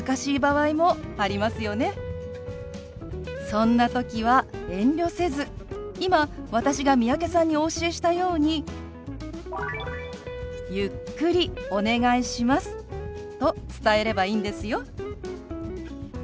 そんな時は遠慮せず今私が三宅さんにお教えしたように「ゆっくりお願いします」と伝えればいいんですよ。